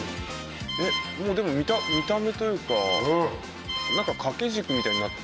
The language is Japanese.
もうでも見た目というか何か掛け軸みたいになって。